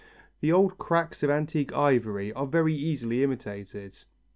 The old cracks of antique ivory are very easily imitated.